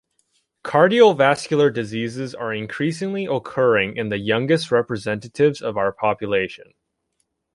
Cardiovascular diseases are increasingly occurring in the youngest representatives of our population.